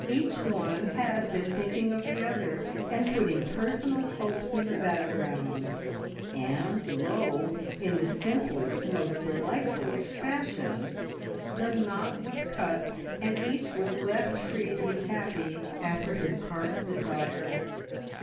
Each one had been thinking of the other, and putting personal hopes in the background, and lo, in the simplest, most delightful of fashions, the knot was cut, and each was left free to be happy after his heart's desire.